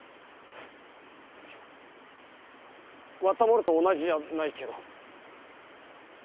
割ったものと同じじゃないけど。